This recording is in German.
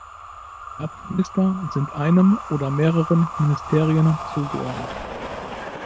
Staatsminister sind einem oder mehreren Ministerien zugeordnet.